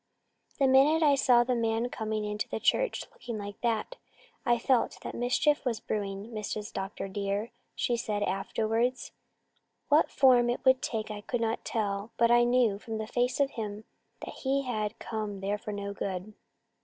"The minute I saw that man coming into the Church, looking like that, I felt that mischief was brewing, Mrs. Dr. dear," she said afterwards. "What form it would take I could not tell, but I knew from face of him that he had come there for no good."